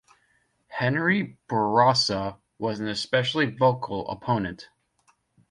Henri Bourassa was an especially vocal opponent.